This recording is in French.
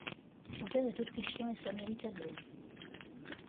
Son père est autrichien et sa mère italienne.